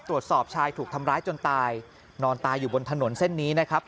ตรวจสอบชายถูกทำร้ายจนตายนอนตายอยู่บนถนนเส้นนี้นะครับ